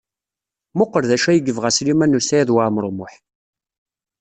Mmuqqel d acu ay yebɣa Sliman U Saɛid Waɛmaṛ U Muḥ.